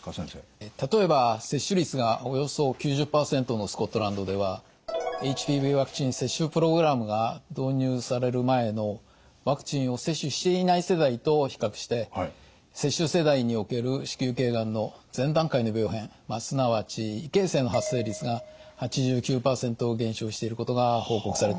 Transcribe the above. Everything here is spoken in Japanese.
例えば接種率がおよそ９０％のスコットランドではＨＰＶワクチン接種プログラムが導入される前のワクチンを接種していない世代と比較して接種世代における子宮頸がんの前段階の病変すなわち異形成の発生率が８９％減少していることが報告されています。